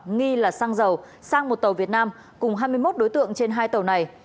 nghi là xăng dầu sang một tàu việt nam cùng hai mươi một đối tượng trên hai tàu này